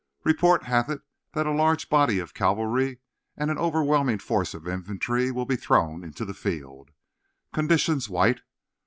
Report hath it that a large body of cavalry and an overwhelming force of infantry will be thrown into the field. Conditions white.